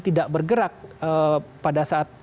tidak bergerak pada saat